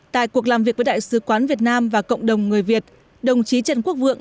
tại cuộc làm việc với đại sứ quán việt nam và cộng đồng người việt đồng chí trần quốc vượng